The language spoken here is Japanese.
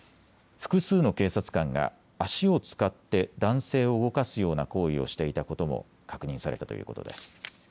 複数の警察官が足を使って男性を動かすような行為をしていたことも確認されたということです。